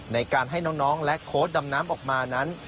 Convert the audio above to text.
ในการให้น้องและโค้ดดำน้ำออกมานั้น